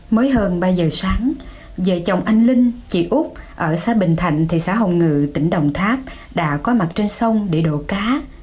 mới hơn ba giờ sáng vợ chồng anh linh chị úc ở xa bình thạnh thị xã hồng ngự tỉnh đồng tháp đã có mặt trên sông để đổ cá